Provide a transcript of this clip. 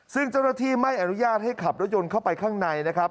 ซึ่งเจ้าหน้าที่ไม่อนุญาตให้ขับรถยนต์เข้าไปข้างในนะครับ